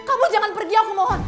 kamu jangan pergi aku mohon